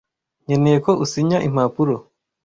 Nkeneye ko usinya impapuro.